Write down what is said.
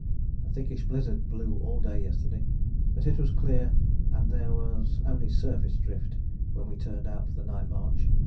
A thickish blizzard blew all day yesterday, but it was clear and there was only surface drift when we turned out for the night march.